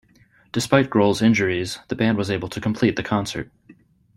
Despite Grohl's injuries, the band was able to complete the concert.